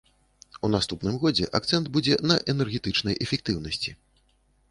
У наступным годзе акцэнт будзе на энергетычнай эфектыўнасці.